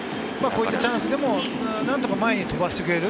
こういったチャンスでも何とか前に飛ばしてくれる。